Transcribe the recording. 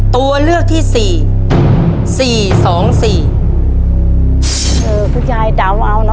ตัวเลือกที่สี่สี่สองสี่เออคุณยายดาวน์เอานะ